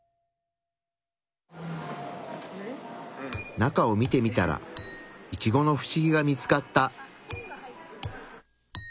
中を見てみたらイチゴのフシギが見つかった。